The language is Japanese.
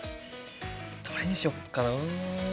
どれにしよっかな。